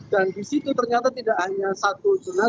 dan di situ ternyata tidak hanya satu